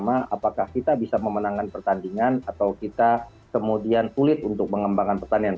apakah kita bisa memenangkan pertandingan atau kita kemudian sulit untuk mengembangkan pertandingan